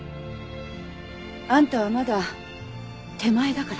あんたはまだ手前だから。